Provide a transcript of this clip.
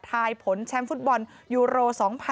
ยผลแชมป์ฟุตบอลยูโร๒๐๑๖